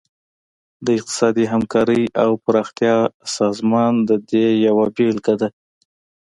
د اقتصادي همکارۍ او پراختیا سازمان د دې یوه بیلګه ده